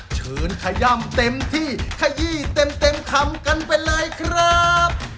เชิญขย่ำเต็มที่ขยี้เต็มคำกันไปเลยครับ